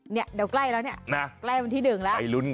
เนี่ยเดี๋ยวใกล้แล้วเนี่ยใกล้วันที่๑แล้วผ่านด้วยรุ่นกัน